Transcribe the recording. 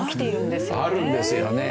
あるんですよね。